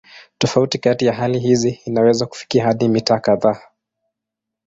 Tofauti kati ya hali hizi inaweza kufikia hadi mita kadhaa.